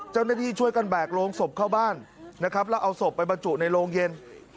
เจ้าหน้าที่ช่วยกันแบกโรงศพเข้าบ้านนะครับแล้วเอาศพไปบรรจุในโรงเย็น